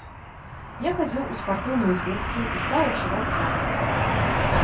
Я хадзіў у спартыўную секцыю, і стаў адчуваць слабасць.